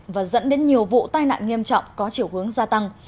và dẫn đến nhiều vụ tai nạn nghiêm trọng có chiều hướng gia tăng